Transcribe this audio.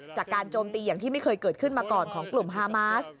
โจมตีอย่างที่ไม่เคยเกิดขึ้นมาก่อนของกลุ่มฮามาส